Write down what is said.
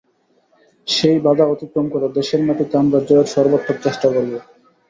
সেই বাধা অতিক্রম করে দেশের মাটিতে আমরা জয়ের সর্বাত্মক চেষ্টা করব।